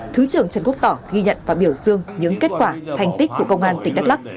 thứ trưởng trần quốc tỏ ghi nhận và biểu dương những kết quả thành tích của công an tỉnh đắk lắc